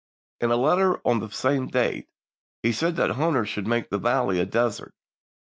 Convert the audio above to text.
In a letter of the same date, he said that Hunter should make the valley a desert.